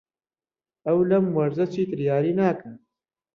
ئەو لەم وەرزە چیتر یاری ناکات.